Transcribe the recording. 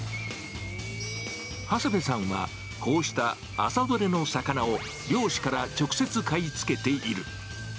長谷部さんは、こうした朝どれの魚を漁師から直接買い付けている。